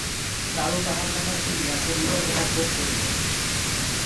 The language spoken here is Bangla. চারু তাহার লেখা ছিঁড়িয়া ফেলিবার উপক্রম করিল।